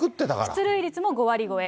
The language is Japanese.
出塁率も５割超え。